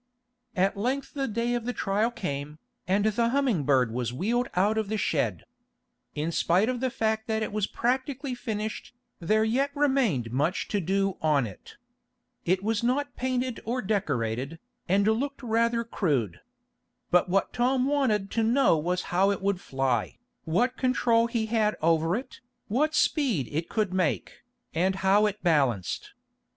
At length the day of the trial came, and the Humming Bird was wheeled out of the shed. In spite of the fact that it was practically finished, there yet remained much to do on it. It was not painted or decorated, and looked rather crude. But what Tom wanted to know was how it would fly, what control he had over it, what speed it could make, and how it balanced.